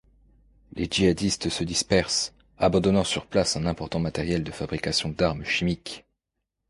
Les djihadistes se dispersent, abandonnant sur place un important matériel de fabrication d'armes chimiques.